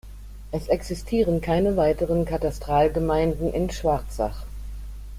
Es existieren keine weiteren Katastralgemeinden in Schwarzach.